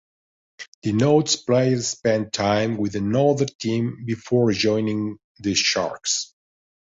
Denotes player spent time with another team before joining the Sharks.